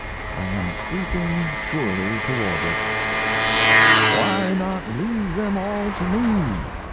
I am creeping surely toward it. "Why not leave them all to me?"